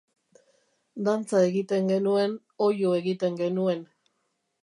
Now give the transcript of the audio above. Dantza egiten genuen, oihu egiten genuen.